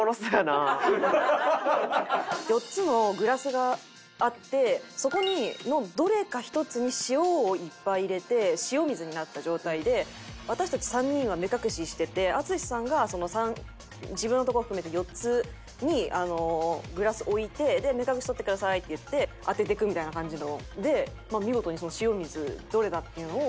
４つのグラスがあってそこのどれか１つに塩をいっぱい入れて塩水になった状態で私たち３人は目隠ししてて淳さんが自分のとこ含めて４つにグラス置いて「目隠し取ってください」って言って当てていくみたいな感じの。